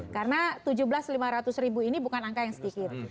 karena tujuh belas lima ratus ribu ini bukan angka yang sedikit